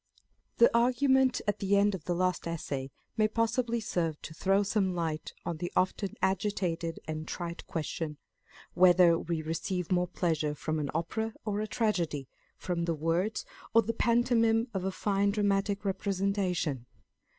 THE argument at the end of the last Essay may possibly serve to throw some light on the often agitated and trite question, Whether we receive more pleasure from an Opera or a Tragedy, from the words or the pantomime of a fine dramatic representation